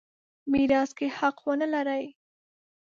میراث کې حق ونه لري.